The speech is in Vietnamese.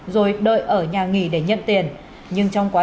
rồi đợi ở nhà nghỉ để nhận tiền